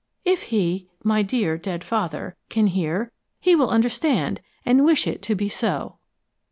If he my dear, dead father can hear, he will understand, and wish it to be so!"